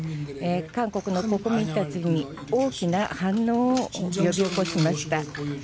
韓国の国民たちに大きな反応を呼び起こしました。